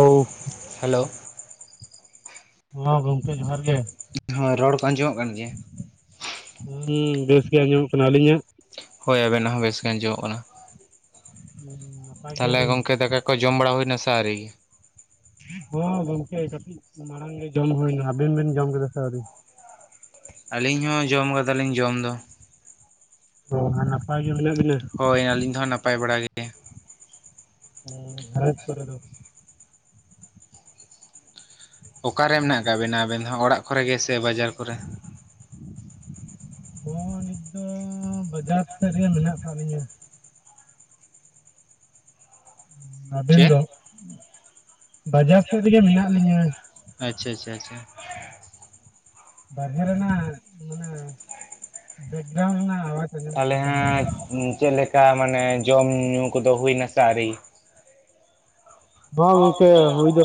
Hello, hello ᱦᱚ ᱜᱚᱝᱠᱮ ᱡᱚᱦᱟᱨ ᱜᱮ᱾ ᱦᱳᱭ ᱨᱚᱲ ᱠᱚ ᱟᱸᱡᱚᱢᱚᱜ ᱠᱟᱱ ᱜᱮᱭᱟ? ᱦᱩᱸ ᱵᱮᱥ ᱜᱮ ᱟᱸᱡᱚᱢᱚᱜ ᱠᱟᱱᱟ, ᱟᱹᱞᱤᱧᱟᱜ? ᱦᱳᱭ ᱟᱵᱮᱱᱟᱜ ᱦᱚᱸ ᱵᱮᱥᱜᱮ ᱟᱸᱡᱚᱢᱚᱜ ᱠᱟᱱᱟ᱾ [unintelligible] ᱛᱟᱦᱞᱮ ᱜᱚᱝᱠᱮ ᱫᱟᱠᱟ ᱠᱚ ᱡᱚᱢ ᱵᱟᱲᱟ ᱦᱩᱭᱱᱟ ᱥᱮ ᱟᱹᱨᱤ? ᱦᱚᱸ ᱜᱚᱝᱠᱮ ᱠᱟᱹᱴᱤᱡ ᱢᱟᱲᱟᱝ ᱜᱮ ᱡᱚᱢ ᱦᱩᱭᱱᱟ, ᱟᱵᱮᱱ ᱵᱮᱱ ᱡᱚᱢ ᱠᱮᱫᱟ ᱥᱮ ᱟᱹᱣᱨᱤ? ᱟᱹᱞᱤᱧ ᱦᱚᱸ ᱡᱚᱢ ᱠᱟᱫᱟᱞᱤᱧ ᱡᱚᱢ ᱫᱚ᱾ ᱚ ᱟᱨ ᱱᱟᱯᱟᱭ ᱜᱮ ᱢᱤᱱᱟ ᱵᱤᱱᱟ? ᱦᱳᱭ ᱟᱹᱞᱤᱧ ᱫᱚ ᱦᱟᱸᱜ ᱱᱟᱯᱟᱭ ᱵᱟᱲᱟ ᱜᱮ᱾ [inaudible] ᱚᱠᱟ ᱨᱮ ᱢᱮᱱᱟᱜ ᱟᱠᱟᱜ ᱵᱮᱱᱟ ᱟᱵᱮᱱ ᱫᱚ ᱚᱲᱟᱜ ᱠᱚᱨᱮᱜ ᱜᱮ ᱥᱮ ᱵᱟᱡᱟᱨ ᱠᱚ ᱦᱚ ᱱᱤᱛ ᱫᱚ ᱵᱟᱡᱟᱨ ᱥᱮᱫ ᱨᱮ ᱢᱮᱱᱟᱜ ᱟᱠᱟᱜ ᱞᱤᱧᱟᱹ᱾ ᱟᱵᱮᱱ ᱪᱮ ᱫᱚ? ᱵᱟᱡᱟᱨ ᱥᱮᱜ ᱨᱮᱜᱮ ᱢᱮᱱᱟᱜ ᱞᱤᱧᱟᱹ᱾ ᱟᱪᱪᱷᱟ ᱟᱪᱪᱷᱟ ᱟᱪᱷᱟ ᱵᱟᱨᱦᱮ ᱨᱮᱱᱟᱜ ᱢᱟᱱᱮ ᱵᱮᱠᱜᱨᱟᱣᱩᱱ ᱨᱮᱱᱟᱜ ᱟᱣᱟᱡ ᱟᱸᱡᱚᱢᱚᱜ ᱛᱟᱦᱞᱮ ᱠᱟᱱ ᱛᱟᱵᱮᱱᱟ ᱦᱟᱸᱜ ᱪᱮᱜ ᱞᱮᱠᱟ ᱢᱟᱱᱮ ᱡᱚᱢ ᱧᱩ ᱠᱚᱫᱚ ᱦᱩᱭ ᱱᱟ ᱥᱮ ᱟᱣᱨᱤ? ᱦᱚ ᱜᱚᱝᱠᱮ ᱦᱩᱭ ᱫᱚ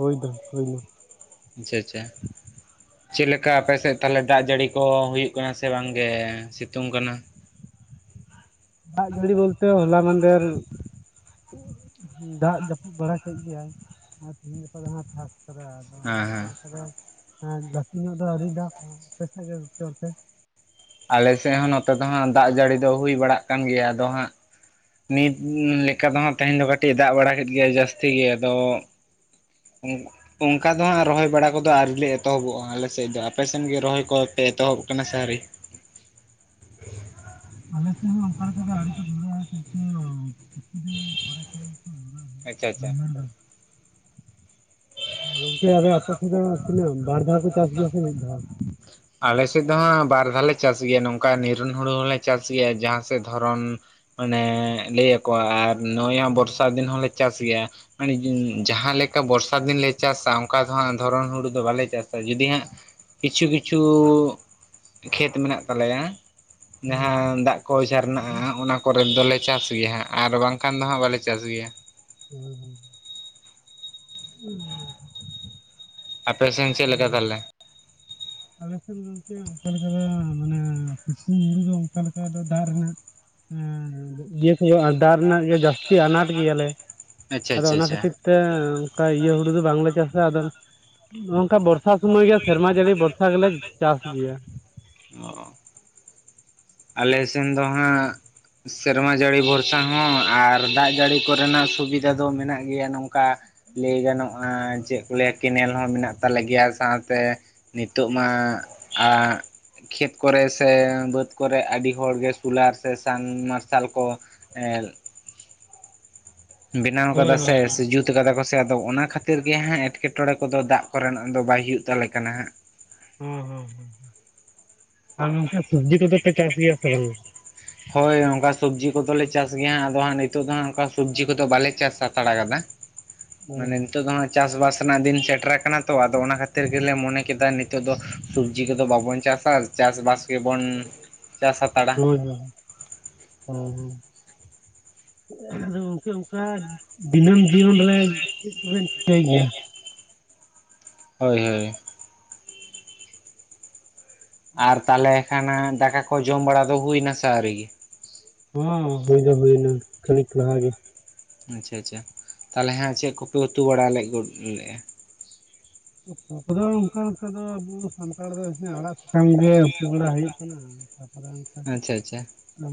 ᱦᱩᱭ ᱫᱚ ᱦᱩᱭ ᱫᱚ ᱟᱪᱪᱷᱟ ᱟᱪᱪᱷᱟ, ᱪᱮᱜ ᱞᱮᱠᱟ ᱟᱯᱮ ᱥᱮᱜ ᱛᱟᱦᱚᱞᱮ ᱫᱟᱜ ᱡᱟᱹᱲᱤ ᱠᱚ ᱦᱩᱭᱩᱜ ᱠᱟᱱᱟ ᱥᱮ ᱵᱟᱝ ᱜᱮ ᱥᱤᱛᱩᱝ ᱠᱟᱱᱟ? ᱫᱟᱜ ᱡᱟᱹᱲᱤ ᱵᱳᱞᱛᱮ ᱦᱚᱞᱟ ᱢᱟᱫᱷᱮᱨ ᱫᱟᱜ ᱡᱟᱹᱯᱩᱫ ᱵᱟᱲᱟ ᱠᱮᱜ ᱜᱮᱭᱟᱭ ᱟᱨ ᱛᱤᱦᱤᱧ ᱜᱟᱯᱟ ᱫᱚ ᱦᱟᱸᱜ ᱯᱷᱟᱠ ᱚ ᱦᱮᱸ ᱚᱱᱠᱟ ᱦᱮᱸ ᱞᱮᱠᱟ ᱫᱚ ᱟᱣᱨᱤ ᱧᱚᱜ ᱫᱚ ᱟᱹᱰᱤ ᱫᱟᱜ ᱟ ᱟᱯᱮ ᱥᱮᱫ ᱜᱮ ᱜᱚᱝᱠᱮ ᱚᱱᱛᱮ ᱟᱞᱮ ᱥᱮᱫ ᱦᱚᱸ ᱱᱚᱛᱮ ᱫᱚ ᱦᱟᱸᱜ ᱫᱟᱜ ᱡᱟᱹᱲᱤ ᱫᱚ ᱦᱩᱭ ᱵᱟᱲᱟᱜ ᱠᱟᱱ ᱜᱮᱭᱟ ᱟᱫᱚ ᱦᱟᱸᱜ ᱱᱤᱛ ᱞᱮᱠᱟ ᱫᱚ ᱦᱟᱜ ᱛᱮᱦᱮᱧ ᱫᱚ ᱠᱟᱹᱴᱤᱡ ᱫᱟᱜ ᱵᱟᱲᱟ ᱠᱮᱫ ᱜᱮᱭᱟᱭ ᱡᱟᱹᱥᱛᱤ ᱜᱮ, ᱟᱫᱚ ᱩᱱ ᱚᱱᱠᱟ ᱫᱚ ᱦᱟᱸᱜ ᱨᱚᱦᱚᱭ ᱵᱟᱲᱟ ᱠᱚᱫᱚ ᱟᱹᱣᱨᱤ ᱞᱮ ᱮᱛᱚᱦᱚᱵᱚᱜ-ᱟ ᱟᱞᱮ ᱥᱮᱫ ᱫᱚ, ᱟᱯᱮ ᱥᱮᱫ ᱜᱮ ᱨᱚᱦᱚᱭ ᱠᱚ ᱯᱮ ᱮᱛᱚᱦᱚᱵ ᱠᱟᱱᱟ ᱟᱨᱤ? ᱟᱞᱮ ᱥᱮᱱ ᱦᱚᱸ ᱚᱱᱠᱟ ᱠᱮᱠᱟ ᱫᱚ ᱟᱣᱨᱤ ᱠᱚ ᱫᱷᱩᱲᱟᱹᱜ-ᱟ ᱠᱤᱱᱛᱩ ᱠᱤᱪᱷᱩ ᱫᱤᱱ ᱯᱚᱨᱮ ᱠᱷᱟᱱ ᱟᱪᱪᱷᱟ ᱟᱪᱪᱷᱟ [unintelligible] ᱜᱚᱝᱠᱮ ᱟᱫᱚ ᱟᱯᱮ ᱥᱮᱫ ᱫᱚ ᱛᱤᱱᱟᱹᱜ ᱵᱟᱨ ᱫᱷᱟᱣ ᱯᱮ ᱪᱟᱥ ᱜᱮᱭᱟ ᱥᱮ ᱢᱤᱫ ᱫᱷᱟᱣ? ᱟᱞᱮ ᱥᱮᱜ ᱫᱚ ᱦᱟᱜ ᱵᱟᱨ ᱫᱷᱟᱣ ᱞᱮ ᱪᱟᱥ ᱜᱮᱭᱟ ᱱᱚᱝᱠᱟ ᱱᱤᱨᱚᱱ ᱦᱩᱲᱩ ᱦᱚᱸ ᱞᱮ ᱪᱟᱥ ᱜᱮᱭᱟ ᱡᱟᱦᱟᱸ ᱥᱮᱫ ᱫᱷᱚᱨᱚᱱ ᱢᱟᱱᱮ ᱞᱟᱹᱭ ᱟᱠᱚᱣᱟ ᱟᱨ ᱱᱚᱜ-ᱚᱭ ᱦᱟᱜ ᱵᱚᱨᱥᱟ ᱫᱤᱱ ᱦᱚᱸ ᱞᱮ ᱪᱟᱥ ᱜᱮᱭᱟ᱾ ᱢᱟᱱᱮ ᱡᱟᱦᱟᱸ ᱞᱮᱠᱟ ᱵᱚᱨᱥᱟ ᱫᱤᱱ ᱞᱮ ᱪᱟᱥ-ᱟ ᱚᱝᱠᱟ ᱫᱚ ᱦᱟᱜ ᱫᱷᱚᱨᱚᱱ ᱦᱩᱲᱩ ᱫᱚ ᱵᱟᱞᱮ ᱪᱟᱥᱟ ᱡᱩᱫᱤ ᱦᱟᱸᱜ ᱠᱤᱪᱷᱩ ᱠᱤᱪᱷᱩ ᱠᱷᱮᱛ ᱢᱮᱱᱟᱜ ᱛᱟᱞᱮᱭᱟ, ᱡᱟᱦᱟᱸ ᱫᱟᱜ ᱠᱚᱭ ᱡᱷᱟᱨ ᱱᱟᱜ-ᱟ ᱚᱱᱟ ᱠᱚᱨᱮ ᱫᱚ ᱞᱮ ᱪᱟᱥ ᱜᱮᱭᱟ ᱦᱟᱸᱜ ᱟᱨ ᱵᱟᱝᱠᱷᱟᱱ ᱫᱚ ᱦᱟᱸᱜ ᱵᱟᱞᱮ ᱪᱟᱥ ᱜᱮᱭᱟ᱾ [unintelligible] [unintelligible] ᱟᱯᱮ ᱥᱮᱱ ᱪᱮᱜ ᱞᱮᱠᱟ ᱛᱟᱦᱞᱮ? ᱟᱞᱮ ᱥᱮᱱ ᱜᱚᱝᱠᱮ ᱚᱱᱠᱟ ᱞᱮᱠᱟ ᱫᱚ ᱢᱟᱱᱮ ᱥᱤᱛᱩᱝ ᱦᱩᱲᱩ ᱫᱚ ᱚᱱᱠᱟ ᱞᱮᱠᱟ ᱫᱚ ᱫᱟᱜ ᱨᱮᱱᱟᱜ ᱦᱮ ᱤᱭᱟᱹ ᱠᱚ ᱫᱟᱜ ᱨᱮᱱᱟᱜ ᱜᱮ ᱡᱟᱹᱥᱛᱤ ᱟᱱᱟᱴ ᱜᱮᱭᱟ ᱞᱮ, ᱟᱪᱪᱷᱟ ᱟᱫᱚ ᱟᱪᱪᱷᱟ ᱚᱱᱟ ᱟᱪᱪᱷᱟ᱾ ᱠᱷᱟᱹᱛᱤᱨ ᱛᱮ ᱚᱝᱠᱟ ᱤᱭᱟᱹ ᱦᱩᱲᱩ ᱫᱚ ᱵᱟᱝᱞᱮ ᱪᱟᱥᱟ, ᱟᱫᱚ ᱱᱚᱝᱠᱟ ᱵᱚᱨᱥᱟ ᱥᱩᱢᱚᱭ ᱜᱮ ᱥᱮᱨᱢᱟ ᱡᱟᱹᱲᱤ ᱵᱚᱨᱥᱟ ᱜᱮ ᱞᱮ ᱪᱟᱥ ᱜᱮᱭᱟ᱾ ᱚᱻ ᱟᱞᱮ ᱥᱮᱱ ᱫᱚ ᱦᱟᱸᱜ ᱥᱮᱨᱢᱟ ᱡᱟᱹᱲᱤ ᱵᱷᱚᱨᱥᱟ ᱦᱚᱸ ᱟᱨ ᱫᱟᱜ ᱡᱟᱹᱲᱤ ᱠᱚ ᱨᱮᱱᱟᱜ ᱥᱩᱵᱤᱫᱷᱟ ᱫᱚ ᱢᱮᱱᱟᱜ ᱜᱮᱭᱟ ᱱᱚᱝᱠᱟ ᱞᱟᱹᱭ ᱜᱟᱱᱚᱜᱼᱟ ᱪᱮᱫ ᱠᱚ ᱞᱟᱹᱭᱟ ᱠᱮᱱᱮᱞ ᱦᱚᱸ ᱢᱮᱱᱟᱜ ᱛᱟᱞᱮ ᱜᱮᱭᱟ ᱥᱟᱶ ᱛᱮᱼᱼ ᱱᱤᱛᱚᱜ ᱢᱟ ᱟᱸ ᱠᱷᱮᱛ ᱠᱚᱨᱮ ᱥᱮ ᱵᱟᱹᱫᱽ ᱠᱚᱨᱮ ᱟᱹᱰᱤ ᱦᱚᱲᱜᱮ ᱥᱳᱞᱟᱨ ᱥᱮ ᱥᱟᱱ ᱢᱟᱨᱥᱟᱞ ᱠᱚ ᱮᱸᱻ ᱵᱮᱱᱟᱣ ᱦᱳᱭ ᱠᱟᱫᱟ ᱦᱳᱭ ᱥᱮ ᱦᱳᱭ ᱥᱮ ᱡᱩᱛ ᱡᱩᱛ ᱠᱟᱫᱟ ᱠᱚ ᱥᱮ ᱟᱫᱚ ᱚᱱᱟ ᱠᱷᱟᱹᱛᱤᱨ ᱜᱮ ᱦᱟᱸᱜ ᱮᱸᱴᱠᱮᱴᱚᱬᱮ ᱠᱚᱫᱚ ᱫᱟᱜ ᱠᱚ ᱨᱮᱱᱟᱜ ᱫᱚ ᱵᱟᱭ ᱦᱩᱭᱩᱜ ᱛᱟᱞᱮ ᱠᱟᱱᱟ ᱦᱟᱸᱜ ᱦᱚᱸ ᱦᱚᱸ ᱟᱨ ᱚᱱᱠᱟ ᱥᱚᱵᱡᱤ ᱠᱚᱫᱚ ᱯᱮ ᱪᱟᱥ ᱜᱮᱭᱟ ᱥᱮ ᱵᱟᱝᱼᱟ ᱦᱳᱭ ᱚᱱᱠᱟ ᱥᱚᱵᱽᱡᱤ ᱠᱚᱫᱚ ᱞᱮ ᱪᱟᱥ ᱜᱮᱭᱟ ᱦᱟᱜ ᱟᱫᱚ ᱦᱟᱸᱜ ᱱᱤᱛᱚᱜ ᱫᱚ ᱦᱟᱜ ᱚᱱᱠᱟ ᱥᱚᱵᱽᱡᱤ ᱠᱚᱫᱚ ᱵᱟᱞᱮ ᱪᱟᱥ ᱦᱟᱛᱟᱲ ᱠᱟᱫᱟ ᱢᱟᱱᱮ ᱦᱩᱸ ᱱᱤᱛᱚᱜ ᱫᱚ ᱦᱟᱸᱜ ᱪᱟᱥ ᱵᱟᱥ ᱨᱮᱱᱟᱜ ᱫᱤᱱ ᱥᱮᱴᱮᱨ ᱟᱠᱟᱱᱟ ᱛᱚ ᱟᱫᱚ ᱚᱱᱟ ᱠᱷᱟᱹᱛᱤᱨ ᱜᱮ ᱞᱮ ᱢᱚᱱᱮ ᱠᱮᱫᱟ ᱱᱤᱛᱚᱜ ᱫᱚᱼᱼ ᱥᱚᱵᱡᱤ ᱠᱚᱫᱚ ᱵᱟᱵᱚᱱ ᱪᱟᱥᱟ ᱪᱟᱥ ᱵᱟᱥ ᱜᱮᱵᱚᱱ ᱪᱟᱥᱟ ᱦᱟᱛᱟᱲ [unintelligible] ᱟᱫᱚ ᱜᱚᱢᱠᱮ ᱚᱱᱠᱟ ᱫᱤᱱᱟᱹᱢ ᱡᱤᱭᱚᱱ ᱨᱮ ᱪᱮᱫ ᱠᱚᱵᱮᱱ ᱪᱤᱠᱟᱹᱭ ᱜᱮᱭᱟ ᱦᱳᱭ ᱦᱳᱭ ᱟᱨ ᱛᱟᱦᱚᱞᱮ ᱠᱷᱟᱱᱟ ᱫᱟᱠᱟ ᱠᱚ ᱡᱚᱢ ᱵᱟᱲᱟ ᱫᱚ ᱦᱩᱭ ᱱᱟ ᱥᱮ ᱟᱣᱨᱤ ᱦᱚᱸ ᱦᱩᱭ ᱫᱚ ᱦᱩᱭᱱᱟ ᱠᱷᱟᱹᱲᱤᱠ ᱞᱟᱦᱟ ᱜᱮᱼᱼ ᱟᱪᱪᱷᱟ ᱟᱪᱪᱷᱟ ᱛᱟᱦᱚᱞᱮ ᱦᱮᱸ ᱪᱮᱫ ᱠᱚᱯᱮ ᱩᱛᱩ ᱵᱟᱲᱟ [unintelligible] ᱞᱮᱜᱼᱟ [unintelligible] ᱠᱚ ᱫᱚ ᱚᱱᱠᱟ ᱞᱮᱠᱟ ᱫᱚ ᱟᱵᱚ ᱥᱟᱱᱛᱟᱲ ᱫᱚ ᱟᱲᱟᱜ ᱥᱟᱠᱟᱢ ᱜᱮ ᱩᱛᱩ ᱵᱟᱲᱟ ᱦᱩᱭᱩᱜ ᱠᱟᱱᱟ ᱛᱟᱯᱚᱨᱮ ᱚᱱᱠᱟ ᱟᱪᱪᱷᱟ ᱟᱪᱪᱷᱟ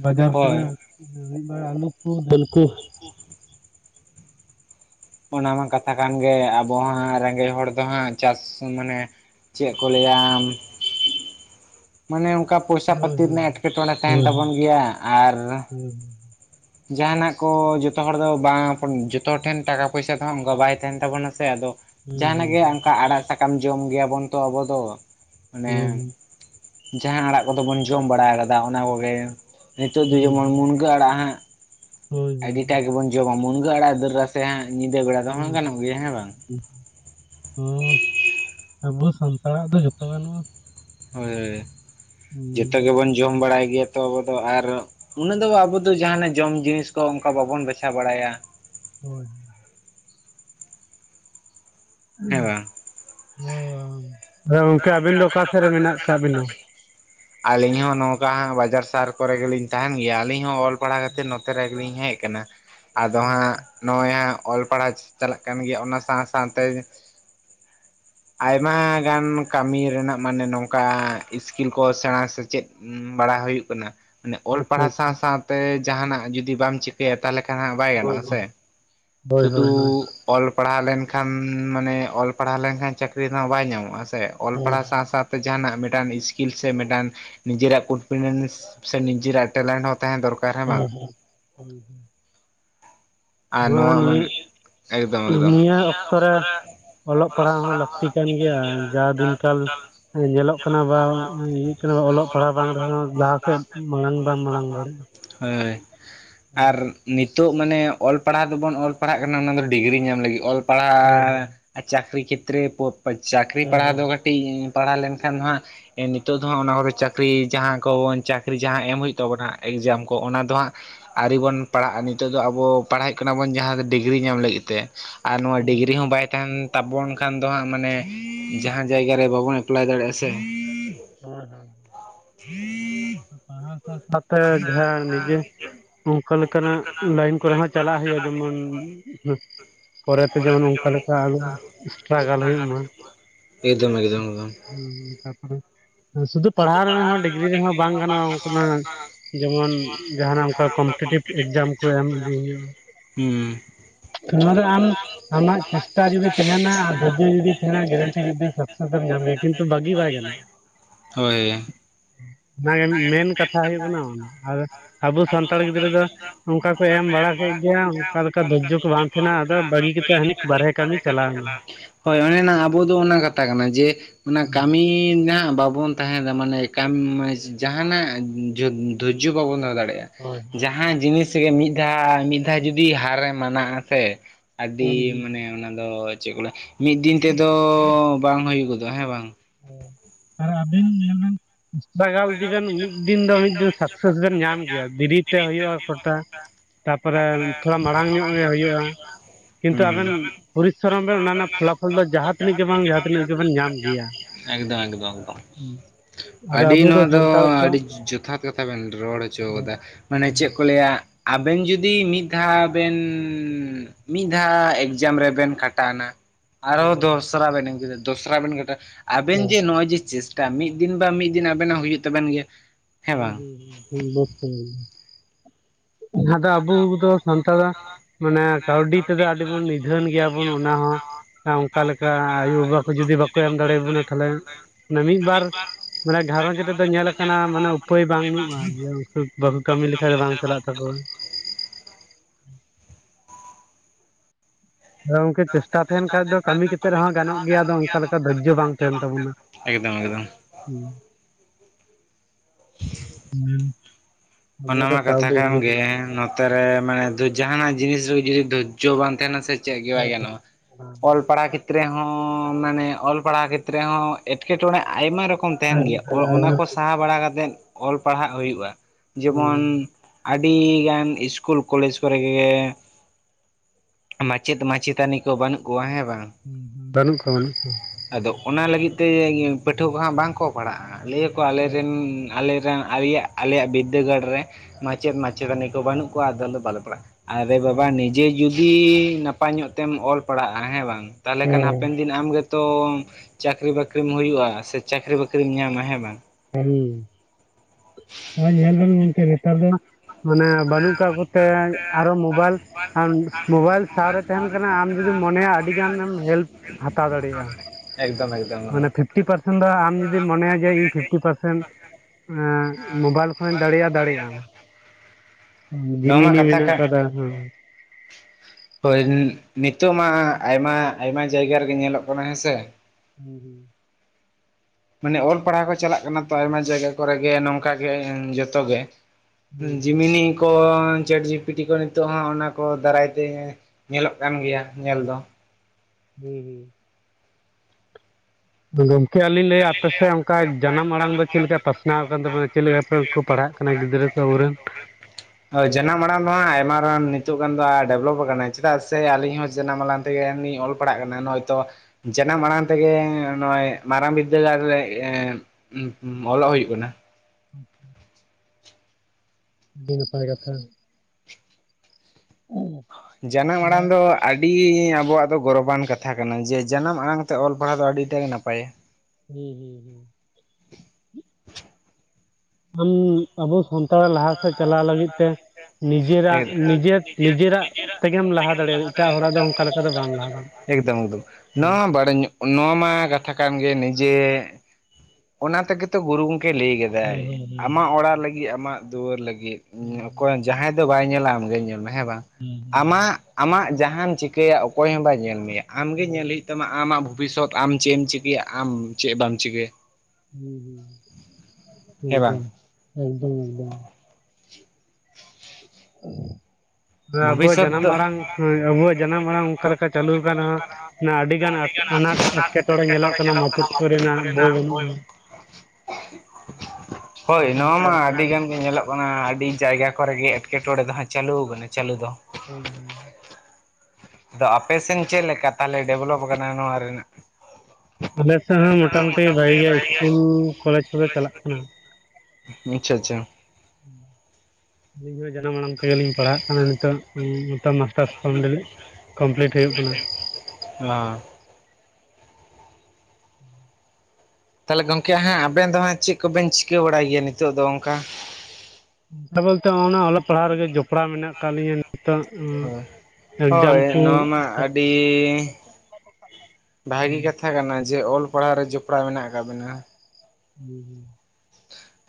ᱵᱟᱡᱟᱨ ᱠᱚᱨᱮ ᱦᱳᱭ ᱟᱹᱭᱩᱵ ᱵᱮᱞᱟ ᱟᱹᱞᱩ ᱠᱚ ᱫᱩᱞ ᱠᱩ ᱚᱱᱟ ᱢᱟ ᱠᱟᱛᱷᱟ ᱠᱟᱱ ᱜᱮ ᱟᱵᱚ ᱦᱟᱸᱜ ᱨᱮᱸᱜᱮᱡ ᱦᱚᱲ ᱫᱚ ᱦᱟᱸᱜ ᱪᱟᱥ ᱢᱟᱱᱮ ᱪᱮᱫ ᱠᱚ ᱞᱟᱹᱭᱟ ᱢᱟᱱᱮ ᱚᱱᱠᱟ ᱯᱚᱭᱥᱟ ᱦᱳᱭ ᱯᱟᱹᱛᱤ ᱦᱳᱭ ᱨᱮᱱᱟᱜ ᱮᱸᱴᱠᱮᱴᱚᱬᱮ ᱛᱟᱦᱮᱱ ᱛᱟᱵᱚᱱ ᱜᱮᱭᱟ ᱟᱨ [inaudible] ᱡᱟᱦᱟᱱᱟᱜ ᱠᱚ ᱡᱚᱛᱚ ᱦᱚᱲ ᱫᱚ ᱵᱟᱝ ᱡᱚᱛᱚ ᱦᱚᱲ ᱴᱷᱮᱱ ᱴᱟᱠᱟ ᱯᱚᱭᱥᱟ ᱫᱚ ᱦᱟᱸᱜ ᱚᱱᱠᱟ ᱵᱟᱭ ᱛᱟᱦᱮᱱ ᱛᱟᱵᱚᱱᱟ ᱥᱮ ᱟᱫᱚᱼᱼ ᱡᱟᱦᱟᱱᱟᱜ ᱜᱮ ᱚᱱᱠᱟ ᱟᱲᱟᱜ ᱥᱟᱠᱟᱢ ᱡᱚᱢ ᱜᱮᱭᱟᱵᱚᱱ ᱛᱚ ᱟᱵᱚ ᱫᱚ ᱢᱟᱱᱮ ᱡᱟᱦᱟᱸ ᱟᱲᱟᱜ ᱠᱚ ᱫᱚ ᱵᱚᱱ ᱡᱚᱢ ᱵᱟᱲᱟ ᱟᱠᱟᱫᱟ ᱚᱱᱟ ᱠᱚᱜᱮ ᱱᱤᱛᱚᱜ ᱫᱚ ᱡᱮᱢᱚᱱ [unintelligible] ᱢᱩᱱᱜᱟᱹ ᱟᱲᱟᱜ ᱦᱟᱸᱜ ᱟᱹᱰᱤᱴᱟᱜ ᱜᱮᱵᱚᱱ ᱡᱚᱢᱟ ᱢᱩᱱᱜᱟᱹ ᱟᱲᱟᱜ ᱫᱟᱹᱞ ᱨᱟᱥᱮ ᱥᱮ ᱦᱟᱸᱜ ᱧᱤᱫᱟᱹ ᱵᱮᱲᱟ ᱫᱚ ᱦᱟᱸᱜ ᱜᱟᱱᱚᱜ ᱜᱮᱭᱟ ᱦᱮᱸ ᱵᱟᱝ ᱚ ᱟᱵᱚ ᱥᱟᱱᱛᱟᱲᱟᱜ ᱫᱚ ᱡᱚᱛᱚ ᱜᱟᱱᱚᱜᱼᱟ ᱦᱳᱭ ᱦᱳᱭ ᱡᱚᱛᱚ ᱦᱩᱸ ᱜᱮᱵᱚᱱ ᱡᱚᱢ ᱵᱟᱲᱟᱭ ᱜᱮᱭᱟ ᱛᱚ ᱟᱵᱚ ᱫᱚ ᱟᱨ ᱩᱱᱟᱹᱜ ᱫᱚ ᱟᱵᱚ ᱡᱟᱦᱟᱱᱟᱜ ᱡᱚᱢ ᱡᱤᱱᱤᱥ ᱠᱚ ᱚᱱᱠᱟ ᱵᱟᱵᱚᱱ ᱵᱟᱪᱷᱟᱣ ᱵᱟᱲᱟᱭᱟ ᱦᱳᱭ ᱦᱮᱸ [unintelligible] ᱵᱟᱝ ᱚ ᱜᱚᱝᱠᱮ ᱟᱵᱤᱱ ᱫᱚ ᱚᱠᱟ ᱥᱮᱫ ᱨᱮ ᱢᱮᱱᱟᱜ ᱠᱟᱜ ᱵᱤᱱᱟ ᱟᱞᱤᱧ ᱦᱚᱸ ᱱᱚᱝᱠᱟ ᱦᱟᱸᱜ ᱵᱟᱡᱟᱨ ᱥᱟᱦᱟᱨ ᱠᱚᱨᱮ ᱜᱮᱞᱤᱧ ᱛᱟᱦᱮᱱ ᱜᱮᱭᱟ ᱟᱞᱤᱧ ᱦᱚᱸ ᱚᱞ ᱯᱟᱲᱦᱟ ᱠᱷᱟᱹᱛᱤᱨ ᱱᱚᱛᱮ ᱨᱮ ᱞᱤᱧ ᱦᱮᱡ ᱟᱠᱟᱱᱟ ᱟᱫᱚ ᱦᱟᱸᱜ ᱱᱚᱜᱼᱚᱭ ᱟᱸᱜ ᱚᱞ ᱯᱟᱲᱦᱟᱣ ᱪᱟᱞᱟᱜ ᱠᱟᱱ ᱜᱮᱭᱟ ᱚᱱᱟ ᱥᱟᱶ ᱥᱟᱶ ᱛᱮ ᱟᱭᱢᱟ ᱜᱟᱱᱼᱼ ᱠᱟᱹᱢᱤ ᱨᱮᱱᱟᱜ ᱢᱟᱱᱮ ᱱᱚᱝᱠᱟ ᱥᱠᱤᱞ ᱠᱚ ᱥᱮᱬᱟ ᱥᱮᱪᱮᱫ ᱵᱟᱲᱟ ᱦᱩᱭᱩᱜ ᱠᱟᱱᱟ ᱢᱟᱱᱮ ᱚᱞ ᱟᱪᱪᱷᱟ ᱯᱟᱲᱦᱟᱣ ᱟᱪᱪᱷᱟ ᱥᱟᱶ ᱥᱟᱶ ᱛᱮ ᱡᱟᱦᱟᱱᱟᱜ ᱡᱩᱫᱤ ᱵᱟᱢ ᱪᱮᱫ [unintelligible] ᱛᱟᱦᱚᱞᱮ ᱠᱷᱟᱱ ᱦᱟᱸᱜ ᱵᱟᱭ ᱦᱳᱭ ᱜᱟᱱᱚᱜᱼᱟ ᱥᱮ ᱦᱳᱭ ᱦᱳᱭ ᱥᱩᱫᱩ ᱦᱳᱭ [unintelligible] ᱚᱞ ᱯᱟᱲᱦᱟᱣ ᱞᱮᱱ ᱠᱷᱟᱱ ᱢᱟᱱᱮ ᱚᱞ ᱯᱟᱲᱦᱟᱣ ᱞᱮᱱ ᱠᱷᱟᱱ ᱪᱟᱹᱠᱨᱤ [unintelligible] ᱵᱟᱭ ᱧᱟᱢᱚᱜᱼᱟ ᱥᱮ ᱚᱞ ᱦᱳᱭ ᱯᱟᱲᱦᱟᱣ ᱥᱟᱶ ᱥᱟᱶ ᱛᱮ ᱡᱟᱦᱱᱟᱜ ᱢᱤᱫᱴᱟᱝ ᱤᱥᱠᱤᱞ ᱥᱮ ᱢᱤᱫᱴᱟᱱ ᱱᱤᱡᱮᱨᱟᱜ ᱠᱚᱱᱯᱷᱤᱰᱮᱱᱥ ᱥᱮ ᱱᱤᱡᱮᱨᱟᱜ ᱴᱮᱞᱮᱱᱴ ᱦᱚᱸ ᱛᱟᱦᱮᱸ ᱫᱚᱨ [unintelligible] ᱟᱨ ᱱᱚᱣᱟ ᱵᱟᱹᱱᱩᱜ [unintelligible] ᱱᱤᱭᱟᱹ ᱚᱠᱛᱚ ᱨᱮ ᱚᱞᱚᱜ ᱯᱟᱲᱦᱟᱜ ᱦᱚᱸ ᱞᱟᱹᱠᱛᱤ ᱠᱟᱱ ᱜᱮᱭᱟ ᱡᱟ ᱫᱤᱱᱠᱟᱞ ᱧᱮᱞᱚᱜ ᱠᱟᱱᱟ ᱵᱟ ᱧᱤᱛ ᱨᱮᱦᱚᱸ ᱚᱞᱚᱜ ᱯᱟᱲᱦᱟᱜ ᱵᱟᱝ ᱨᱮᱦᱚᱸ ᱞᱟᱦᱟᱥᱮᱫ ᱢᱟᱲᱟᱝ ᱵᱟᱢ ᱢᱟᱲᱟᱝ ᱫᱟᱲᱮᱭᱟᱜᱼᱟ᱾ ᱦᱳᱭ ᱟᱨ ᱱᱤᱛᱚᱜ ᱢᱟᱱᱮ ᱚᱞ ᱯᱟᱲᱦᱟᱣ ᱫᱚᱵᱚᱱ ᱚᱞ ᱯᱟᱲᱦᱟᱜ ᱠᱟᱱᱟ ᱚᱱᱟ ᱫᱚ ᱰᱤᱜᱽᱨᱤ ᱧᱟᱢ ᱞᱟᱹᱜᱤᱫ ᱚᱞ ᱦᱮᱸ ᱯᱟᱲᱦᱟᱣ ᱟᱨ ᱪᱟᱹᱠᱨᱤ ᱪᱷᱮᱛᱨᱮ ᱵᱚ ᱯᱟ ᱪᱟᱹᱠᱨᱤ ᱦᱮᱸ ᱯᱟᱲᱦᱟᱣ ᱦᱮᱸ ᱫᱚ ᱠᱟᱹᱴᱤᱡ ᱯᱟᱲᱦᱟᱣ ᱞᱮᱱᱠᱷᱟᱱ ᱫᱚ ᱦᱟᱸᱜ ᱮᱸ ᱱᱤᱛᱚᱜ ᱫᱚ ᱦᱟᱸᱜ ᱚᱱᱟ ᱚᱨᱮ ᱪᱟᱹᱠᱨᱤ ᱡᱟᱦᱟᱸ ᱠᱚᱵᱚᱱ ᱪᱟᱹᱠᱨᱤ ᱡᱟᱦᱟᱸ ᱮᱢ ᱦᱩᱭᱩᱜ ᱛᱟᱵᱚᱱᱟ᱾ ᱮᱠᱡᱟᱢ ᱠᱚ ᱚᱱᱟ ᱫᱚ ᱦᱟᱸᱜ ᱟᱹᱣᱨᱤ ᱵᱚᱱ ᱯᱟᱲᱦᱟᱜᱼᱟ ᱱᱤᱛᱚᱜ ᱫᱚ ᱟᱵᱚ ᱯᱟᱲᱦᱟᱜ ᱠᱟᱱᱟ ᱵᱚᱱ ᱡᱟᱦᱟᱸ ᱫᱚ ᱰᱤᱜᱽᱨᱤ ᱧᱟᱢ ᱞᱟᱹᱜᱤᱫ ᱛᱮ ᱟᱨ ᱱᱚᱣᱟ ᱰᱤᱜᱽᱨᱤ ᱦᱚᱸ ᱵᱟᱭ ᱛᱟᱦᱮᱱ ᱛᱟᱵᱚᱱ ᱠᱷᱟᱱ ᱫᱚ ᱦᱟᱸᱜ ᱢᱟᱱᱮ ᱡᱟᱦᱟᱸ ᱡᱟᱭᱜᱟ ᱨᱮ ᱵᱟᱵᱚᱱ ᱮᱯᱞᱟᱭ ᱫᱟᱲᱮᱭᱟᱜᱼᱟ ᱥᱮ ᱦᱳᱭ ᱦᱳᱭ [inaudible] [unintelligible] ᱛᱮ ᱡᱟᱦᱟᱸ ᱱᱤᱡᱮ ᱚᱝᱠᱟ ᱞᱮᱠᱟᱱᱟᱜ ᱞᱟᱹᱭᱤᱱ ᱠᱚᱨᱮ ᱦᱚᱸ ᱪᱟᱞᱟᱜ ᱦᱩᱭᱩᱜᱼᱟ ᱡᱮᱢᱚᱱ ᱯᱚᱨᱮᱛᱮ ᱡᱮᱢᱚᱱ ᱚᱱᱠᱟ ᱞᱮᱠᱟ ᱟᱞᱚ ᱟᱥᱴᱨᱟᱜᱟᱞ ᱦᱩᱭᱩᱜ ᱢᱟ ᱮᱠᱫᱚᱢ ᱮᱠᱫᱚᱢ ᱮᱠᱫᱚᱢ ᱦᱩᱸ ᱛᱟᱨᱯᱚᱨᱮ ᱥᱩᱫᱩ ᱯᱟᱲᱦᱟᱣ ᱨᱮᱦᱚᱸ ᱰᱤᱜᱽᱨᱤ ᱨᱮᱦᱚᱸ ᱵᱟᱝ ᱜᱟᱱᱚᱜᱼᱟ ᱚᱠᱱᱟᱜ ᱡᱮᱢᱚᱱ ᱡᱟᱦᱟᱸᱱᱟᱜ ᱚᱱᱠᱟ ᱠᱚᱢᱯᱤᱴᱤᱴᱤᱵᱽ ᱮᱠᱡᱟᱢ ᱠᱚ ᱮᱢ ᱤᱫᱤ ᱦᱩᱭᱩᱜᱼᱟ᱾ ᱦᱩᱸ ᱛᱚ ᱱᱚᱣᱟ ᱫᱚ ᱟᱢ ᱟᱢᱟᱜ ᱪᱮᱥᱴᱟ ᱡᱩᱫᱤ ᱛᱟᱦᱮᱱᱟ ᱟᱨ ᱫᱷᱤᱡᱽᱡᱳ ᱡᱩᱫᱤ ᱛᱮᱦᱮᱱᱟ ᱜᱮᱨᱮᱱᱴᱤ ᱢᱤᱫ ᱫᱤᱱ ᱥᱟᱠᱥᱮᱥ ᱮᱢ ᱧᱟᱢᱮ ᱠᱤᱱᱛᱩ ᱵᱟᱹᱜᱤ ᱵᱟᱭ ᱜᱟᱱᱚᱜ-ᱟ᱾ ᱦᱳᱭ ᱚᱱᱟ ᱜᱮ ᱢᱮᱱ ᱠᱟᱛᱷᱟ ᱦᱩᱭᱩᱜ ᱠᱟᱱᱟ᱾ ᱟᱨ ᱟᱵᱚ ᱥᱟᱱᱛᱟᱲ ᱜᱤᱫᱽᱨᱟᱹ ᱫᱚ ᱚᱝᱠᱟ ᱠᱚ ᱮᱢ ᱵᱟᱲᱟ ᱠᱮᱜ ᱜᱮ ᱦᱟᱸᱜ ᱚᱱᱠᱟ ᱞᱮᱠᱟ ᱫᱷᱳᱡᱽᱡᱳ ᱠᱚ ᱵᱟᱝ ᱛᱟᱦᱮᱱᱟ ᱟᱫᱚ ᱵᱟᱹᱜᱤ ᱠᱮᱛᱮᱜ ᱦᱟᱹᱱᱤᱠ ᱵᱟᱦᱨᱮ ᱠᱟᱹᱢᱤ ᱠᱟᱹᱢᱤ ᱪᱟᱞᱟᱣ ᱮᱱᱟ ᱥᱟᱞᱟᱜ ᱦᱳᱭ ᱚᱱᱮ ᱱᱟ ᱟᱵᱚ ᱫᱚ ᱚᱱᱟ ᱠᱟᱛᱷᱟ ᱠᱟᱱᱟ ᱡᱮ ᱚᱱᱟ ᱠᱟᱹᱢᱤ [unintelligible] ᱱᱟᱦᱟᱜ ᱵᱟᱵᱚᱱ ᱛᱟᱦᱮᱸ ᱫᱟ ᱢᱟᱱᱮ ᱠᱟᱢ ᱢᱟᱡᱽ ᱡᱟᱦᱟᱸᱱᱟᱜ ᱡᱚ ᱫᱷᱳᱡᱽᱡᱳ ᱵᱟᱵᱚᱱ ᱫᱚᱦᱚ ᱫᱟᱲᱮᱜᱼᱟ᱾ ᱦᱳᱭ ᱡᱟᱦᱟᱸ ᱡᱤᱱᱤᱥ ᱜᱮ ᱢᱤᱫ ᱫᱷᱟᱣ ᱢᱤᱫ ᱫᱷᱟᱣ ᱡᱩᱫᱤ ᱦᱟᱨᱮᱢ ᱢᱟᱱᱟᱜᱼᱟ ᱥᱮ ᱟᱹᱰᱤ ᱦᱩᱸ ᱦᱩᱸ ᱢᱟᱱᱮ ᱚᱱᱟ ᱫᱚ ᱪᱮᱜ ᱠᱚ ᱢᱮᱱᱟ ᱢᱤᱫ ᱫᱤᱱ ᱛᱮ ᱫᱚ ᱵᱟᱝ ᱦᱩᱭ ᱜᱚᱫᱚᱜ-ᱟ ᱦᱮᱸ ᱵᱟᱝ ᱚᱸ ᱟᱨ ᱟᱹᱵᱤᱱ ᱧᱮᱞ ᱵᱮᱱ ᱞᱟᱜᱟᱣ ᱡᱩᱫᱤ ᱵᱮᱱ ᱢᱤᱫ ᱫᱤᱱ ᱫᱚ ᱢᱤᱫ ᱫᱤᱱ ᱥᱟᱠᱥᱮᱥ ᱵᱮᱱ ᱧᱟᱢ ᱜᱮᱭᱟ ᱫᱤᱨᱤ ᱛᱮ ᱦᱩᱭᱩᱜᱼᱟᱺ ᱠᱚᱴᱟ ᱛᱟᱯᱚᱨᱮ ᱛᱷᱚᱲᱟ ᱢᱟᱲᱟᱝ ᱧᱚᱜ ᱮᱸ ᱦᱩᱭᱩᱜ-ᱟ᱾ ᱠᱤᱱᱛᱩ ᱦᱩᱸ ᱟᱵᱮᱱ ᱯᱚᱨᱤᱥᱨᱚᱢ ᱵᱮᱱ ᱚᱱᱟ ᱨᱮᱱᱟᱜ ᱯᱷᱞᱟᱯ [unintelligible] ᱫᱚ ᱡᱟᱦᱟᱸ ᱛᱤᱱᱟᱹᱜ ᱜᱮ ᱵᱟᱝ ᱡᱟᱦᱟᱸ ᱛᱤᱱᱟᱹᱜ ᱜᱮ ᱵᱮᱱ ᱧᱟᱢ ᱜᱮᱭᱟ ᱮᱠᱫᱚᱢ ᱮᱠᱫᱚᱢ ᱫᱚᱢ [inaudible] ᱟᱫᱚ ᱟᱹᱰᱤ ᱟᱵᱚ ᱱᱚᱣᱟ ᱫᱚ ᱥᱟᱱᱛᱟᱲ ᱠᱚ ᱟᱹᱰᱤ ᱡᱚᱛᱷᱟᱛ ᱠᱟᱛᱷᱟ ᱵᱮᱱ ᱨᱚᱲ ᱦᱚᱪᱚᱣ ᱦᱩᱸ ᱠᱟᱫᱟ ᱢᱟᱱᱮ ᱦᱩᱸ ᱪᱮᱜ ᱠᱚ ᱞᱟᱹᱭᱟ ᱟᱵᱮᱱ ᱡᱩᱫᱤ ᱢᱤᱫ ᱜᱷᱟᱣ ᱵᱮᱱ [unintelligible] ᱢᱤᱫ ᱫᱷᱟᱣ ᱮᱠᱡᱟᱢ ᱨᱮ ᱵᱮᱱ ᱠᱷᱟᱴᱟᱱᱟ ᱟᱨᱚ ᱫᱚᱥᱨᱟ ᱵᱮᱱ ᱮᱢ ᱠᱮᱫᱟ ᱫᱚᱥᱨᱟ ᱵᱮᱱ ᱠᱷᱟᱴᱟᱜᱼᱟ᱾ ᱟᱵᱮᱱ ᱦᱩᱸ ᱡᱮ ᱱᱚᱜ-ᱚᱭ ᱡᱮ ᱪᱮᱥᱴᱟ ᱢᱤᱫ ᱫᱤᱱ ᱵᱟ ᱢᱤᱫ ᱫᱤᱱ ᱟᱵᱮᱱᱟᱜ ᱦᱩᱭᱩᱜ ᱛᱟᱵᱮᱱ ᱜᱮᱭᱟ ᱦᱮᱸ ᱦᱩᱸ ᱵᱟᱝ ᱦᱩᱸ [unintelligible] ᱟᱫᱚ ᱟᱵᱚ ᱠᱚ ᱫᱚ ᱥᱟᱱᱛᱟᱲᱟᱜ ᱢᱟᱱᱮ ᱠᱟᱹᱣᱰᱤ ᱛᱮ ᱫᱚ ᱟᱹᱰᱤ ᱵᱚᱱ ᱱᱤᱫᱷᱟᱹᱱ ᱜᱮᱭᱟ ᱵᱚᱱ ᱚᱱᱟ ᱦᱚᱸ ᱟ ᱚᱝᱠᱟ ᱞᱮᱠᱟ ᱟᱭᱚ ᱵᱟᱵᱟ ᱠᱚ ᱡᱩᱫᱤ ᱵᱟᱠᱚ ᱮᱢ ᱫᱟᱲᱮ ᱟᱵᱚᱱᱟ ᱛᱟᱞᱦᱮ ᱢᱟᱱᱮ ᱢᱤᱫ ᱵᱟᱨ ᱢᱟᱱᱮ ᱜᱷᱟᱨᱚᱸᱡᱽ ᱨᱮᱫᱚ ᱧᱮᱞ ᱟᱠᱟᱱᱟ ᱢᱟᱱᱮ ᱩᱯᱟᱹᱭ ᱵᱟᱹᱱᱩᱜ-ᱟ ᱡᱮ ᱩᱱᱠᱩ ᱫᱚ ᱟᱫᱚ ᱠᱟᱹᱢᱤ ᱞᱮᱠᱷᱟᱡ ᱫᱚ ᱵᱟᱝ ᱪᱟᱞᱟᱜ ᱛᱟᱠᱚᱣᱟ ᱾ ᱟᱫᱚ ᱜᱚᱝᱠᱮ ᱪᱮᱥᱴᱟ ᱛᱟᱦᱮᱱ ᱠᱷᱟᱡ ᱫᱚ ᱠᱟᱹᱢᱤ ᱠᱟᱛᱮᱜ ᱨᱮ ᱦᱚᱸ ᱜᱟᱱᱚᱜ ᱜᱮᱭᱟ ᱟᱫᱚ ᱚᱝᱠᱟ ᱞᱮᱠᱟ ᱫᱷᱳᱡᱽᱡᱚ ᱵᱟᱝ ᱛᱟᱦᱮᱱ ᱛᱟᱵᱚᱱᱟ ᱾ ᱮᱠᱫᱚᱢ ᱮᱠᱫᱚᱢ ᱾ ᱦᱩᱸ ᱾ ᱚᱱᱟ ᱢᱟ ᱠᱟᱛᱷᱟ ᱠᱟᱱ ᱜᱮ ᱱᱚ ᱛᱮ ᱨᱮ ᱢᱟᱱᱮ ᱫᱷᱳᱡ ᱡᱟᱦᱟᱸ ᱱᱟᱜ ᱡᱤᱱᱤᱥ ᱨᱮ ᱡᱩᱫᱤ ᱫᱷᱳᱡᱡᱳ ᱵᱟᱝ ᱛᱮᱦᱮᱱᱟ ᱥᱮ ᱪᱮᱜ ᱜᱮ ᱵᱟᱭ ᱜᱟᱱᱚᱜ-ᱟ ᱚᱞ ᱯᱟᱲᱦᱟ ᱜᱮ ᱛᱨᱮ ᱦᱚᱸ ᱢᱟᱱᱮ ᱚᱞ ᱯᱟᱲᱦᱟ ᱠᱷᱮᱛᱨᱮ ᱦᱚᱸ ᱮᱴᱠᱮᱴᱚᱬᱮ ᱟᱭᱢᱟ ᱨᱚᱠᱚᱢ ᱛᱮᱦᱮᱱ ᱜᱮᱭᱟ ᱚᱱᱟ ᱠᱚ ᱥᱟᱦᱟ ᱵᱟᱲᱟ ᱠᱟᱛᱮᱫ ᱚᱞ ᱯᱟᱲᱦᱟᱜ ᱦᱩᱭᱩᱜ-ᱟ, ᱡᱮᱢᱚᱱ ᱟᱹᱰᱤ ᱜᱟᱱ ᱤᱥᱠᱩᱞ ᱠᱚᱞᱮᱡᱽ ᱠᱚᱨᱮ ᱜᱮ ᱢᱟᱪᱮᱫ ᱢᱟᱪᱮᱛᱟᱹᱱᱤ ᱠᱚ ᱵᱟᱹᱱᱩᱜ ᱠᱚᱣᱟ ᱦᱮᱸ ᱵᱟᱝ, ᱵᱟᱹᱱᱩᱜ ᱠᱚᱣᱟ ᱵᱟᱹᱱᱩᱜ ᱠᱚᱣᱟ ᱟᱫᱚ ᱚᱱᱟ ᱞᱟᱹᱜᱤᱫ ᱛᱮ ᱤᱭᱟᱹ ᱯᱟᱹᱴᱷᱣᱟᱹ ᱠᱚ ᱦᱟᱸᱜ ᱵᱟᱝ ᱠᱚ ᱯᱟᱲᱦᱟᱜ-ᱟ ᱞᱟᱹᱭᱟ ᱠᱚ ᱟᱞᱮ ᱦᱮᱸ ᱨᱮᱱ ᱟᱞᱮ ᱨᱮᱱ ᱟᱨᱮᱭᱟᱜ ᱟᱞᱮᱭᱟᱜ ᱵᱤᱨᱫᱽᱫᱟᱹᱜᱟᱲ ᱨᱮ ᱢᱟᱪᱮᱫ ᱢᱟᱪᱮᱛᱟᱹᱱᱤ ᱠᱚ ᱵᱟᱹᱱᱩᱜ ᱠᱚᱣᱟ ᱟᱫᱚ ᱟᱞᱮ ᱫᱚ ᱵᱟᱞᱮ ᱯᱟᱲᱷᱟᱜ-ᱟ ᱾ ᱟᱨᱮ ᱵᱟᱵᱟ ᱦᱮᱸ ᱱᱤᱡᱮ ᱡᱩᱫᱤ ᱱᱟᱯᱟᱭ ᱧᱚᱜ ᱛᱮᱢ ᱚᱞ ᱯᱟᱲᱟᱜ-ᱟ ᱦᱮᱸ ᱵᱟᱝ ᱛᱟᱞᱦᱮ ᱠᱷᱟᱱ ᱦᱟ ᱦᱮᱸ ᱟᱢ ᱜᱮᱛᱚᱢ ᱪᱟᱹᱠᱨᱤ ᱵᱟᱹᱠᱨᱤᱢ ᱦᱩᱭᱩᱜ-ᱟ ᱥᱮ ᱪᱟᱹᱠᱨᱤ ᱵᱟᱹᱠᱨᱤᱢ ᱧᱟᱢᱟ ᱦᱮᱸ ᱵᱟᱝ ᱾ ᱠᱟᱹᱢᱤ, ᱦᱳᱭ ᱧᱮᱞ ᱵᱮᱱ ᱜᱚᱝᱠᱮ ᱱᱮᱛᱟᱨ ᱫᱚ ᱢᱟᱱᱮ ᱵᱟᱹᱱᱩᱜ ᱠᱟᱜ ᱠᱚᱛᱮ ᱟᱨᱚ ᱢᱳᱵᱟᱭᱤᱞ [unintelligible] ᱫᱚ ᱢᱳᱵᱟᱭᱤᱞ ᱥᱟᱣ ᱨᱮ ᱛᱮᱦᱮᱱ ᱠᱟᱱᱟ ᱟᱢ ᱡᱩᱫᱤᱢ ᱢᱚᱱᱮᱭᱟ ᱟᱹᱰᱤ ᱜᱟᱱᱮᱢ ᱦᱮᱞᱯ ᱦᱟᱛᱟᱣ ᱫᱟᱲᱮᱼᱟ ᱮᱠᱫᱚᱢ ᱮᱠᱫᱚᱢ ᱢᱟᱱᱮ ᱮᱠᱫᱚᱢ ᱯᱷᱤᱯᱴᱤ ᱯᱟᱨ ᱠᱷᱟᱱ ᱫᱚ ᱟᱢ ᱡᱩᱫᱤᱢ ᱢᱚᱱᱮᱭᱟ ᱡᱮ ᱤᱧ ᱯᱷᱤᱯ ᱴᱤ ᱯᱟᱨᱥᱮᱱ ᱮᱸᱜ ᱢᱳᱵᱟᱭᱤᱞ ᱠᱷᱚᱧ ᱫᱟᱲᱮᱭᱟᱜ-ᱟ ᱫᱟᱲᱮᱭᱟᱜ-ᱟᱢ ᱾ ᱱᱚᱣᱟ ᱢᱟ ᱡᱤᱢᱤᱱᱤ ᱠᱟᱛᱷᱟ ᱢᱮᱱᱟᱜ ᱠᱟᱱ ᱟᱠᱟᱫᱟ ᱦᱮᱸ᱾ ᱦᱳᱭ ᱦᱳᱭ ᱱᱤᱛᱚᱜ ᱢᱟ ᱟᱭᱢᱟ ᱟᱭᱢᱟ ᱡᱟᱭᱜᱟ ᱨᱮᱜᱮ ᱧᱮᱞᱚᱜ ᱠᱟᱱᱟ ᱦᱮᱸ ᱥᱮ, [inaudible] ᱢᱟᱱᱮ ᱚᱞ ᱯᱟᱲᱦᱟᱣ ᱠᱚ ᱪᱟᱞᱟᱜ ᱠᱟᱱᱟ ᱛᱚ ᱟᱭᱢᱟ ᱡᱟᱭᱜᱟ ᱠᱚᱨᱮ ᱜᱮ ᱱᱚᱝᱠᱟ ᱜᱮ ᱡᱚᱛᱚ ᱜᱮ, ᱡᱤᱢᱤᱱᱤ ᱠᱚ ᱪᱮᱴᱡᱤᱯᱤᱴᱤ ᱠᱚ ᱱᱤᱛᱚᱜ ᱦᱚᱸ ᱚᱱᱟ ᱠᱚ ᱫᱟᱨᱟᱭ ᱛᱮ ᱧᱮᱞᱚᱜ ᱠᱟᱱ ᱜᱮᱭᱟ ᱧᱮᱞ ᱫᱚ ᱾ [inaudible] ᱛᱚ ᱜᱚᱢᱠᱮ ᱟᱹᱞᱤᱧ ᱞᱟᱹᱭᱟ ᱟᱯᱮ ᱥᱮᱫ ᱚᱱᱠᱟ ᱡᱟᱱᱟᱢ ᱟᱲᱟᱝ ᱫᱚ ᱪᱮᱫ ᱞᱮᱠᱟ ᱯᱟᱥᱱᱟᱣ ᱟᱠᱟᱱ ᱛᱟᱵᱚᱱᱟ, ᱪᱮᱫ ᱞᱮᱠᱟ ᱯᱮ ᱠᱚ ᱯᱟᱲᱦᱟᱜ ᱠᱟᱱᱟ ᱜᱤᱫᱽᱨᱟᱹ ᱠᱚ ᱟᱵᱚᱨᱮᱱ? ᱦᱚᱭ ᱡᱟᱱᱟᱢ ᱟᱲᱟᱝ ᱫᱚ ᱦᱟᱸᱜ ᱟᱭᱢᱟ ᱜᱟᱱ ᱱᱤᱛᱚᱜ ᱜᱟᱱ ᱫᱚ ᱰᱮᱵᱷᱞᱚᱯ ᱟᱠᱟᱱᱟ ᱪᱮᱫᱟᱜ ᱥᱮ ᱟᱹᱞᱤᱧ ᱦᱚᱸ ᱡᱟᱱᱟᱢ ᱟᱲᱟᱝ ᱛᱮᱜᱮ ᱞᱤᱧ ᱚᱞ ᱯᱟᱲᱦᱟᱜ ᱠᱟᱱᱟ ᱱᱚᱜᱚᱭᱛᱚ ᱡᱟᱱᱟᱢ ᱟᱲᱟᱝ ᱛᱮᱜᱮ ᱱᱚᱜᱼᱚᱭ ᱢᱟᱨᱟᱝ ᱵᱤᱨᱫᱟᱹᱜᱟᱲ ᱨᱮ ᱮᱸ ᱚᱞᱚᱜ ᱦᱩᱭᱩᱜ ᱠᱟᱱᱟ᱾ [inaudible] ᱟᱹᱰᱤ ᱱᱟᱯᱟᱭ ᱠᱟᱛᱷᱟ ᱾ [inaudible] ᱡᱟᱱᱟᱢ ᱦᱩᱸ ᱟᱲᱟᱝ ᱫᱚ ᱟᱹᱰᱤ ᱟᱵᱚᱣᱟᱜ ᱫᱚ ᱜᱚᱨᱚᱵᱟᱱ ᱠᱟᱛᱷᱟ ᱠᱟᱱᱟ, ᱡᱮ ᱡᱟᱱᱟᱢ ᱟᱲᱟᱝ ᱛᱮ ᱚᱞ ᱯᱟᱲᱦᱟᱣ ᱫᱚ ᱟᱹᱰᱤᱴᱟᱜ ᱜᱮ ᱱᱟᱯᱟᱭᱟ ᱾ ᱦᱩᱸ ᱦᱩᱸ ᱦᱩᱸ ᱾ ᱟᱢ ᱟᱵᱚ ᱥᱟᱱᱛᱟᱲ ᱞᱟᱦᱟ ᱥᱮᱫ ᱪᱟᱞᱟᱣ ᱞᱟᱹᱜᱤᱫ ᱛᱮ ᱱᱤᱡᱮᱨᱟᱜ ᱱᱤᱡᱮᱨ ᱱᱤᱡᱮᱨᱟᱜ ᱱᱤᱡᱮᱨᱟ ᱛᱮᱜᱮᱢ ᱞᱟᱦᱟ ᱮᱴᱟᱜ ᱦᱚᱲᱟᱜ ᱫᱚ ᱫᱟᱲᱮᱭᱟᱜᱼᱟ, ᱚᱱᱠᱟ ᱞᱮᱠᱟ ᱫᱚ ᱵᱟᱢ ᱞᱟᱦᱟ ᱫᱟᱲᱮᱭᱟᱜᱼᱟ [unintelligible] ᱮᱠᱫᱚᱢ ᱮᱠᱫᱚᱢ ᱦᱩᱸ ᱱᱚᱣᱟ ᱵᱟᱲᱮ ᱧᱚᱜ ᱱᱚᱣᱟ ᱢᱟ ᱠᱟᱛᱷᱟ ᱠᱟᱱ ᱜᱮ, ᱱᱤᱡᱮ ᱚᱱᱟ ᱛᱮᱜᱮ ᱛᱚ ᱜᱩᱨᱩ ᱜᱚᱢᱠᱮ ᱞᱟᱹᱭ ᱠᱟᱫᱟ ᱦᱩᱸ ᱫᱟᱭ ᱦᱩᱸ ᱟᱢᱟᱜ ᱚᱲᱟᱜ ᱞᱟᱹᱜᱤᱫ ᱟᱢᱟᱜ ᱫᱩᱣᱟᱹᱨ ᱞᱟᱹᱜᱤᱫ, ᱚᱠᱚᱭ ᱡᱟᱦᱟᱸᱭ ᱫᱚ ᱵᱟᱭ ᱧᱮᱞᱟ ᱟᱢᱜ ᱧᱮᱞ ᱢᱮ᱾ ᱦᱮᱸ ᱵᱟᱝ ᱦᱩᱸ ᱦᱩᱸ ᱟᱢᱟᱜ ᱟᱢᱟᱜ ᱡᱟᱦᱟᱸᱢ ᱪᱤᱠᱟᱹᱭᱟ ᱚᱠᱚᱭ ᱦᱚᱸ ᱵᱟᱭ ᱧᱮᱞ ᱢᱮᱭᱟ᱾ ᱟᱢᱜᱮ ᱧᱮᱞ ᱦᱩᱭᱩᱜ ᱛᱟᱢᱟ ᱟᱢᱟᱜ ᱵᱷᱚᱵᱤᱥᱚᱛ, ᱟᱢ ᱪᱮᱫ ᱮᱢ ᱪᱤᱠᱟᱹᱭᱟ ᱟᱢ ᱪᱮᱫ ᱵᱟᱢ ᱪᱤᱠᱟᱹᱭᱟ᱾ ᱦᱩᱸ ᱦᱩᱸ ᱦᱮᱸ ᱵᱟᱝ ᱮᱫᱚᱢ, ᱮᱠᱫᱚᱢ ᱮᱠᱫᱚᱢ, [inaudible] [inaudible] ᱟᱵᱩᱣᱟᱜ ᱵᱷᱚᱵᱤᱥᱥᱚᱛ ᱡᱟᱱᱟᱢ ᱫᱚ ᱟᱲᱟᱝ, ᱟᱵᱩᱣᱟᱜ ᱡᱟᱱᱟᱢ ᱟᱲᱟᱝ ᱚᱱᱠᱟᱮᱠᱟ ᱪᱟᱞᱩ ᱟᱠᱟᱱ ᱨᱮᱦ᱾ ᱟᱹᱰᱤᱜᱟᱱ ᱟᱱᱟᱴ ᱮᱸᱴᱠᱮᱴᱚᱬᱮ ᱧᱮᱞᱚᱜ ᱠᱟᱱᱟ᱾ᱢᱟᱪᱮᱫ ᱠᱚᱱᱟᱜ ᱵᱳᱭ ᱵᱟᱹᱱᱩᱜᱼᱟ᱾ ᱦᱳᱭ ᱠᱤᱱᱛᱩ ᱱᱚᱣᱟ ᱚᱱᱠᱟ ᱢᱟ ᱠᱟᱛᱮ ᱟᱹᱰᱤ ᱜᱟᱱ ᱜᱮ ᱧᱮᱞᱚᱜ ᱠᱟᱱᱟ᱾ ᱚᱱᱟ ᱟᱹᱰᱤ ᱡᱟᱭᱜᱟ ᱠᱚᱨᱮ ᱜᱮ ᱮᱴᱠᱮᱴᱚᱬᱮ ᱫᱚ ᱦᱟᱸᱜ ᱪᱟᱹᱞᱩ ᱟᱠᱟᱱᱟ ᱪᱟᱹᱞᱩ ᱫᱚ᱾ ᱦᱩᱸ ᱦᱩᱸ, ᱟᱫᱚ ᱟᱯᱮᱥᱱ ᱪᱮᱫ ᱞᱮᱠᱟ ᱛᱟᱦᱚᱞᱮ ᱰᱮᱵᱷᱞᱚᱯ ᱟᱠᱟᱱᱟ ᱱᱚᱣᱟ ᱨᱮᱱᱟᱜ? ᱟᱞᱮ ᱥᱮᱫ ᱦᱚᱸ ᱢᱚᱴᱟᱢᱩᱴᱤ ᱵᱷᱟᱹᱜᱤ ᱜᱮ ᱤᱥᱠᱩᱞ ᱠᱚᱞᱮᱡᱽ ᱠᱚᱫᱚ ᱪᱟᱞᱟᱜ ᱠᱟᱱᱟ᱾ ᱟᱪᱪᱷᱟ, ᱟᱪᱪᱷᱟ ᱟᱹᱞᱤᱧ ᱦᱚᱸ ᱡᱟᱱᱟᱢ ᱟᱲᱟᱝ ᱛᱮᱜᱮᱞᱤᱧ ᱯᱟᱲᱦᱟᱜ ᱠᱟᱱᱟ ᱱᱤᱛᱳ ᱱᱚᱛ, ᱢᱟᱥᱴᱟᱨ [unintelligible] ᱠᱚᱢᱯᱞᱤᱴ ᱦᱩᱭᱩᱜ ᱠᱟᱱᱟ᱾ ᱚᱻ [inaudible] ᱛᱟᱦᱚᱞᱮ ᱜᱚᱝᱠᱮ ᱦᱟᱸᱜ ᱟᱵᱮᱱ ᱫᱚ ᱦᱟᱸᱜ ᱪᱮᱫ ᱠᱚᱵᱮᱱ ᱪᱤᱠᱟᱹ ᱵᱟᱲᱟᱭ ᱜᱮᱭᱟ ᱱᱤᱛᱚᱜ ᱫᱚ ᱚᱝᱠᱟ? ᱠᱟ ᱵᱚᱞᱛᱮ ᱱᱚᱜ ᱚᱱᱟ ᱚᱞᱚᱜ ᱯᱟᱲᱦᱟᱜ ᱨᱮᱜᱮ ᱡᱚᱯᱲᱟᱣ ᱢᱮᱱᱟᱜ ᱟᱠᱟᱫ ᱞᱤᱧᱟᱹ᱾ ᱱᱤᱛᱟᱜ ᱦᱳᱭ ᱮᱠᱡᱟᱢ ᱠᱚ, ᱠ ᱵᱷᱟᱜᱤ ᱠᱟᱛᱷᱟ ᱠᱟᱱᱟ ᱡᱮ ᱚᱞ, ᱯᱟᱲᱦᱟᱜ ᱨᱮ ᱡᱚᱯᱲᱟᱣ ᱢᱮᱱᱟᱜ ᱟᱠᱟᱫ ᱵᱚᱱᱟ᱾ ᱦᱩᱸ ᱦᱩᱸ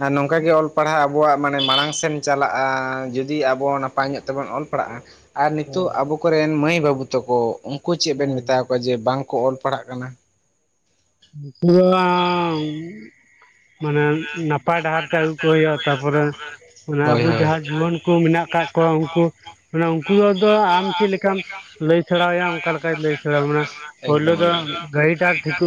ᱟᱨ ᱱᱚᱝᱠᱟᱟᱜ ᱜᱮ ᱚᱞ ᱯᱟᱲᱦᱟᱣ ᱟᱵᱚᱣᱟᱜ ᱢᱟᱱᱮ ᱢᱟᱲᱟᱝ ᱥᱮᱱ ᱪᱟᱞᱟᱜᱼᱟ ᱡᱩᱫᱤ ᱟᱵᱚ ᱱᱟᱯᱟᱭ ᱧᱚᱜ ᱛᱮᱵᱚᱱ ᱚᱞ ᱯᱟᱲᱟᱜᱼᱟ᱾ ᱟᱨ ᱱᱤᱛᱚᱜ ᱟᱵᱚ ᱠᱚᱨᱮᱱ ᱢᱟᱹᱭ ᱵᱟᱹᱵᱩ ᱛᱟᱠᱚ, ᱩᱱᱠᱩ ᱪᱮᱫ ᱵᱱ ᱢᱮᱛᱟᱟᱣ ᱠᱚᱣᱟ ᱡᱮ ᱵᱟᱝ ᱠᱚ ᱚᱞ ᱯᱟᱲᱦᱟᱜ ᱠᱟᱱᱟ᱾ [unintelligible] ᱢᱟᱱᱮ ᱱᱟᱯᱟᱭ ᱰᱟᱦᱟᱨ ᱛᱮ ᱟᱹᱜᱩ ᱠᱚ ᱦᱩᱭᱩᱜᱼᱟ᱾ᱛᱟᱯᱚᱨᱮ ᱢᱟᱱᱮ ᱦᱳᱭ ᱟᱵᱚ ᱦᱳᱭ ᱡᱟᱦᱟᱸ ᱡᱩᱣᱟᱹᱱ ᱠᱚ ᱢᱮᱱᱟᱜ ᱟᱠᱟᱫ ᱠᱚᱣᱟ᱾ ᱠᱚᱣᱟ ᱩᱱᱠᱩ ᱢᱟᱱᱮ ᱩᱱᱠᱩ ᱫᱚ ᱟᱢ ᱪᱮᱫ ᱞᱮᱠᱟᱢ ᱞᱟᱹᱭ ᱥᱮᱬᱟᱭᱟ ᱚᱱᱠᱟ ᱞᱮᱠᱟᱭ ᱞᱟᱹᱭ ᱥᱮᱬᱟ ᱢᱟᱱᱮ᱾ ᱯᱳᱭᱞᱳ ᱮᱠᱫᱚᱢ ᱮᱠᱫᱚᱢ ᱫᱚ ᱜᱟᱹᱲᱤᱴᱟᱨ ᱴᱷᱤᱠ᱾